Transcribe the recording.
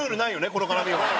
この絡みは。